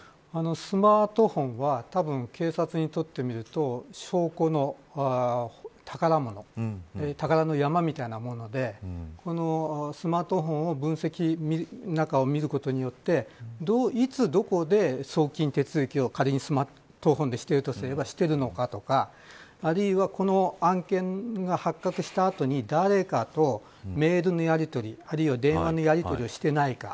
スマートフォンはたぶん警察にとってみると証拠の宝宝の山みたいなものでこのスマートフォンを分析して中を見ることによっていつどこで送金手続きを仮にスマートフォンでしているとすれば、しているのかあるいはこの案件が発覚した後に誰かとメールのやりとりあるいは電話のやりとりをしてないか。